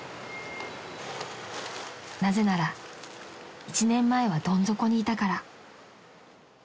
［なぜなら１年前はどん底にいたから］